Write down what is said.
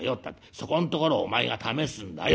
そこんところをお前が試すんだよ」。